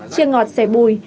chia ngọt xẻ bùi